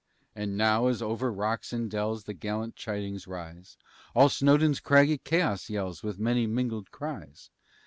And now, as over rocks and dells, The gallant chidings rise, All Snowdon's craggy chaos yells With many mingled cries.